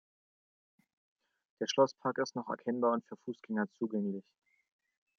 Der Schlosspark ist noch erkennbar und für Fußgänger zugänglich.